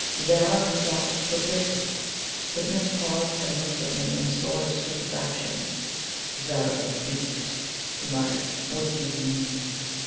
Zara herself forbids it!" The Prince paused, and looked at me in a sort of stupefaction. "Zara forbids it!" he muttered. "What do you mean?"